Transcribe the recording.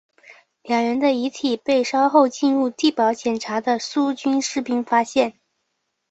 两人的遗体被稍后进入地堡检查的苏军士兵发现。